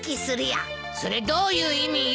それどういう意味よ！